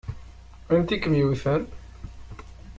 Anti i kem-yewwten?